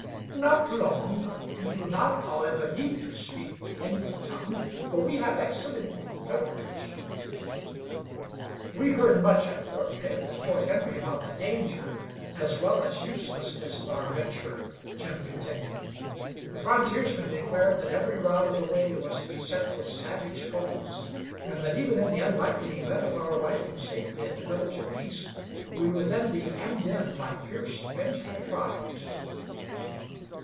"Not long. You do not, however, need to speak the Indian tongue, for we have excellent interpreters." "We heard much at Fort Pitt and Fort Henry about the danger, as well as uselessness, of our venture," Jim continued. "The frontiersmen declared that every rod of the way was beset with savage foes, and that, even in the unlikely event of our arriving safely at the Village of Peace, we would then be hemmed in by fierce, vengeful tribes."